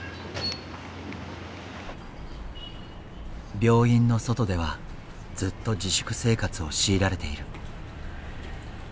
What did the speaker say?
病院の外ではずっと自粛生活を強いられている。